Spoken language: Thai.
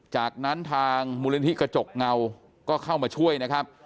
จากนั้นทางมูลนิธิกระจกเงาก็เข้ามาช่วยนะครับ